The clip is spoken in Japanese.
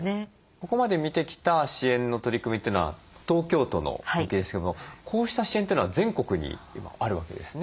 ここまで見てきた支援の取り組みというのは東京都のですけどもこうした支援というのは全国に今あるわけですね。